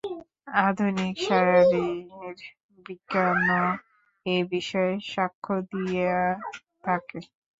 আধুনিক শারীরবিজ্ঞানও এ বিষয়ে সাক্ষ্য দিয়া থাকে।